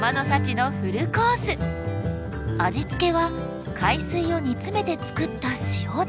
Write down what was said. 味付けは海水を煮詰めて作った塩だけ。